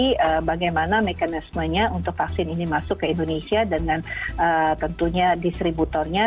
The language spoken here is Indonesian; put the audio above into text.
jadi bagaimana mekanismenya untuk vaksin ini masuk ke indonesia dengan tentunya distributornya